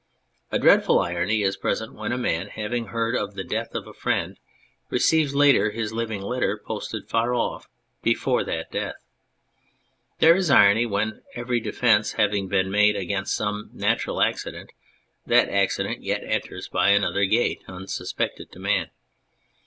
A dreadful irony is present when a man, having heard of the death of a friend, receives later his living letter posted from far off before that death. There is irony when, every defence having been made against some natural accident, that accident yet enters by another gate unsuspected to man.